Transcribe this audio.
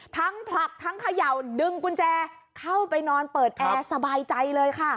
ผลักทั้งเขย่าดึงกุญแจเข้าไปนอนเปิดแอร์สบายใจเลยค่ะ